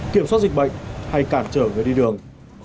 kiểm soát dịch bệnh hay cản trở người đi đường